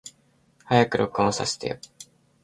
早く録音させてよ。